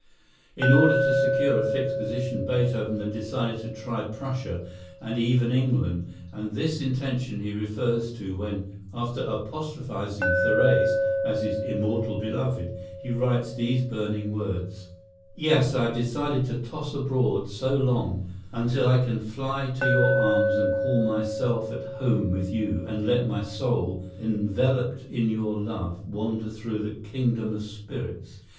In order to secure a fixed position, Beethoven had decided to try Prussia and even England, and this intention he refers to when, after apostrophizing Therese as his "immortal beloved," he writes these burning words: "Yes, I have decided to toss abroad so long, until I can fly to your arms and call myself at home with you, and let my soul, enveloped in your love, wander through the kingdom of spirits."